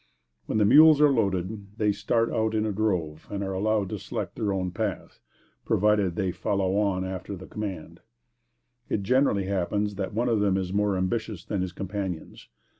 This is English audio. When the mules are loaded, they start out in a drove, but are allowed to select their own path, provided they follow on after the command. It generally happens that one of them is more ambitious than his companions.